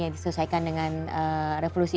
yang diselesaikan dengan revolusi